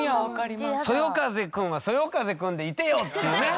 そよ風くんはそよ風くんでいてよっていうね。